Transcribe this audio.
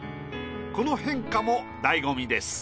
この変化も醍醐味です。